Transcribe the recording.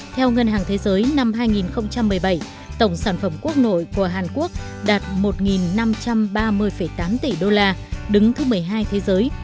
theo ngân hàng thế giới năm hai nghìn một mươi bảy tổng sản phẩm quốc nội của hàn quốc đạt một năm trăm ba mươi tám tỷ đô la đứng thứ một mươi hai thế giới